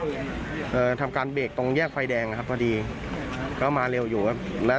เอ่อทำการเบรกตรงแยกไฟแดงนะครับพอดีก็มาเร็วอยู่ครับแล้ว